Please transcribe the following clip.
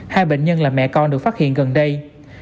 hai bệnh nhân là mẹ con được phát hiện gần đây